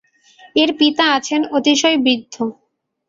এর পিতা আছেন অতিশয় বৃদ্ধ।